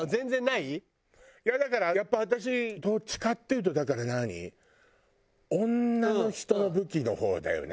いやだからやっぱ私どっちかっていうとだから何女の人の武器の方だよね。